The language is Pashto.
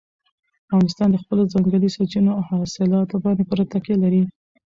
افغانستان د خپلو ځنګلي سرچینو او حاصلاتو باندې پوره تکیه لري.